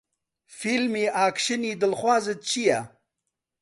فیلمی ئاکشنی دڵخوازت چییە؟